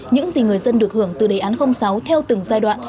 những gì người dân được hưởng từ đề án sáu theo từng giai đoạn